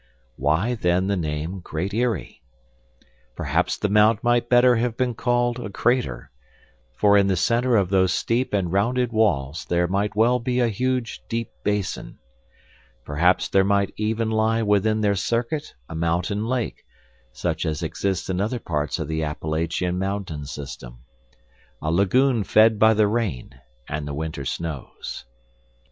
Why then the name Great Eyrie? Perhaps the mount might better have been called a crater, for in the center of those steep and rounded walls there might well be a huge deep basin. Perhaps there might even lie within their circuit a mountain lake, such as exists in other parts of the Appalachian mountain system, a lagoon fed by the rain and the winter snows.